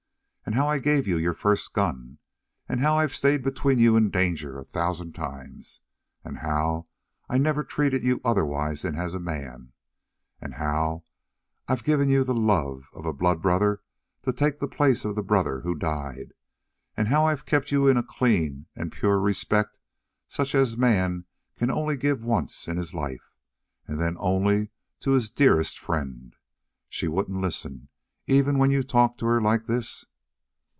And how I gave you your first gun? And how I've stayed between you and danger a thousand times? And how I've never treated you otherwise than as a man? And how I've given you the love of a blood brother to take the place of the brother who died? And how I've kept you in a clean and pure respect such as a man can only give once in his life and then only to his dearest friend? She wouldn't listen even when you talked to her like this?"